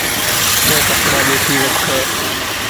يا ڪپڙا ٻيٺي رک ا